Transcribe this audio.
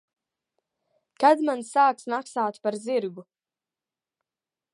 Kad man sāks maksāt par zirgu?